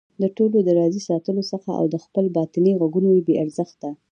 د ټولو د راضي ساتلو حڅه او د خپلو باطني غږونو بې ارزښته